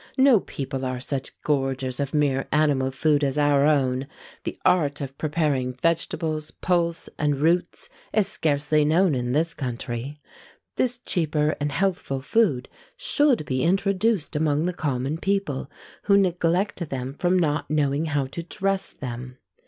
No people are such gorgers of mere animal food as our own; the art of preparing vegetables, pulse, and roots, is scarcely known in this country. This cheaper and healthful food should be introduced among the common people, who neglect them from not knowing how to dress them.